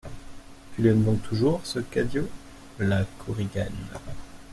Tu l'aimes donc toujours, ce Cadio ? LA KORIGANE.